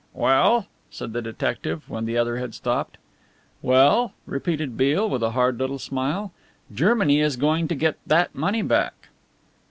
"Well?" said the detective, when the other had stopped. "Well?" repeated Beale, with a hard little smile. "Germany is going to get that money back."